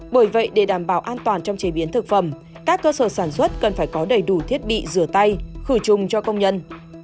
bởi vậy để đảm bảo an toàn trong chế biến thực phẩm các cơ sở sản xuất cần phải có đầy đủ thiết bị rửa tay khử trùng cho công nhân